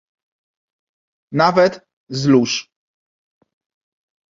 "nawet z lóż..."